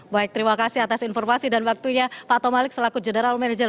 baik terima kasih atas informasi dan waktunya pak tomalik selaku general manager